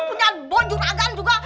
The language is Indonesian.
punya boi juragan juga